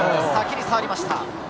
先に触りました。